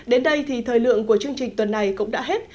đến đây thì thời lượng của chương trình tuần này cũng đã hết